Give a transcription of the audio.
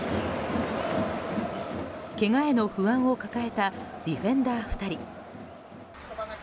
けがへの不安を抱えたディフェンダー２人。